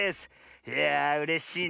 いやあうれしいね。